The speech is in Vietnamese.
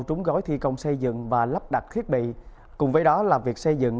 trúng gói thi công xây dựng và lắp đặt thiết bị cùng với đó là việc xây dựng